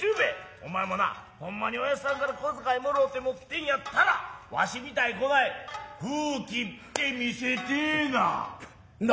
お前もなほんまに親父さんから小遣いもろうて持ってんやったらわしみたいにこない封切って見せてえな。